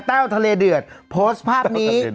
แต้วทะเลเดือดพอร์สภาพนี้